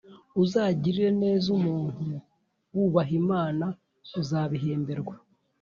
Uzagirire neza umuntu wubaha Imana, uzabihemberwa;